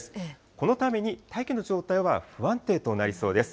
このために大気の状態は不安定になりそうです。